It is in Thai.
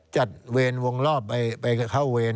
เวรวงรอบไปเข้าเวร